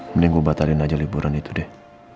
mending gue batalin aja liburan itu deh